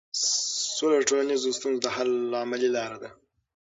سوله د ټولنیزو ستونزو د حل عملي لار ده.